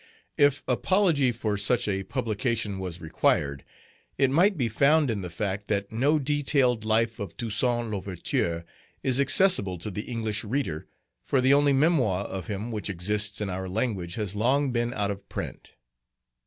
If apology for such a publication was required, it might be found in the fact that no detailed life of TOUSSAINT L'OUVERTURE is accessible to the English reader, for the only memoir of him which exists in our language has long been out of print.